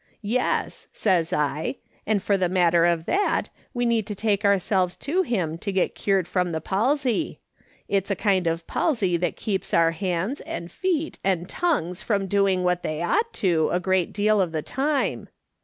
' Yes,' says I, ' and, for the matter of that, we need to take ourselves to him to get cured from the palsy. It's a kind of palsy that keeps our hands, and feet, and tongues from doing what they ought to a great deal of the time.